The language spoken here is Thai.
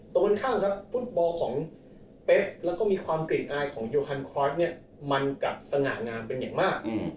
ตรงกันข้ามครับฟุตบอลของเป๊กแล้วก็มีความกลิ่นอายของโยฮันครอสเนี่ยมันกลับสง่างามเป็นอย่างมาก